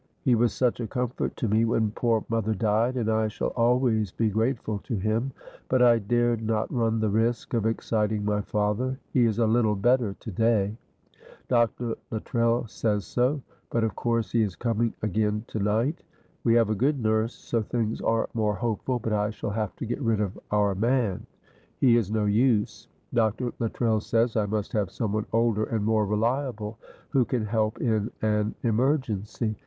He was such a comfort to me when poor mother died, and I shall always be grateful to him, but I dared not run the risk of exciting my father. He is a little better today; Dr. Luttrell says so; but of course he is coming again to night. We have a good nurse, so things are more hopeful, but I shall have to get rid of our man. He is no use. Dr. Luttrell says I must have someone older and more reliable, who can help in an emergency.